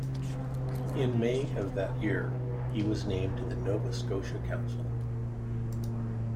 In May of that year, he was named to the Nova Scotia Council.